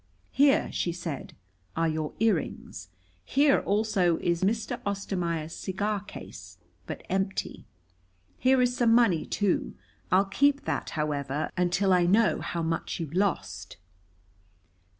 "Here," she said. "Are your earrings. Here also is Mr. Ostermaier's cigar case, but empty. Here is some money too. I'll keep that, however, until I know how much you lost."